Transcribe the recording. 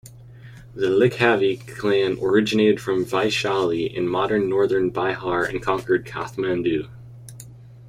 The Licchavi clan originated from Vaishali in modern northern Bihar and conquered Kathmandu.